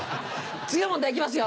次の問題行きますよ！